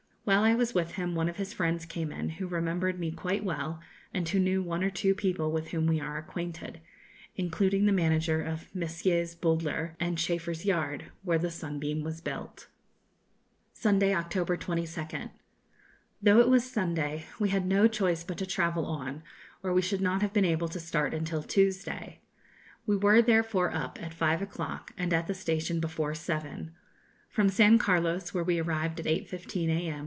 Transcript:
While I was with him one of his friends came in, who remembered me quite well, and who knew one or two people with whom we are acquainted, including the manager of Messrs. Bowdler and Chaffers' yard, where the 'Sunbeam' was built. [Illustration: A Fellow Passenger] Sunday, October 22nd. Though it was Sunday, we had no choice but to travel on, or we should not have been able to start until Tuesday. We were therefore up at five o'clock, and at the station before seven. From San Carlos, where we arrived at 8.15 a.m.